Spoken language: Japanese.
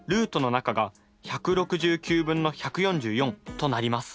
となります。